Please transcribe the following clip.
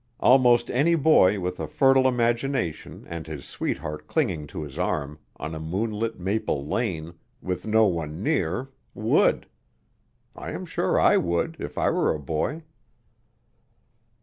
Almost any boy with a fertile imagination and his sweetheart clinging to his arm, on a moonlit maple lane, with no one near, would. I am sure I would if I were a boy.